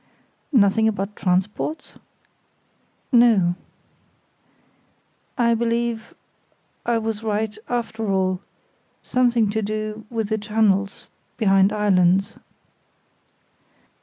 "Nothing about transports?" "No." "I believe—I was right—after all—something to do—with the channels—behind islands."